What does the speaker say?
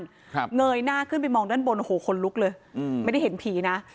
ครับเงยหน้าขึ้นไปมองด้านบนโอ้โหคนลุกเลยอืมไม่ได้เห็นผีนะ